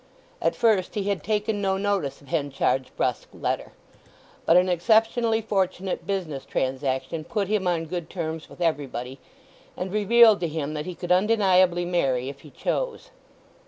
At first he had taken no notice of Henchard's brusque letter; but an exceptionally fortunate business transaction put him on good terms with everybody, and revealed to him that he could undeniably marry if he chose.